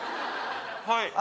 はい